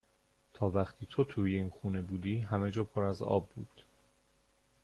تا وقتی تو توی این خونه بودی همه جا پر از آب بود